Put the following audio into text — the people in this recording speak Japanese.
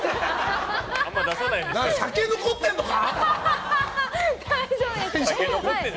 酒、残ってんのか？